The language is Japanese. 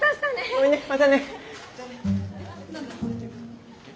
ごめんねまたね。